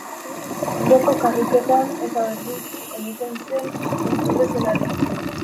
Ondoko karriketan ere berdintsu egiten zen, posible zelarik.